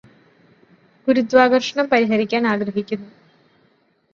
ഗുരുത്വാകര്ഷണം പരിഹരിക്കാൻ ആഗ്രഹിക്കുന്നു